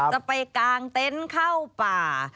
ไปกางเต็นต์เข้าป่า